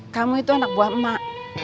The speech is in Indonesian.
kamu itu anak buah emak emak